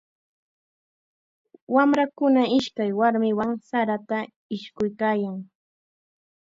Wamrakuna ishkay warmiwan sarata ishkuykaayan.